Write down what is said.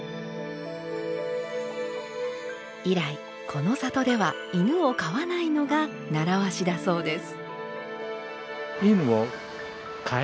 以来この里では犬を飼わないのが習わしだそうです。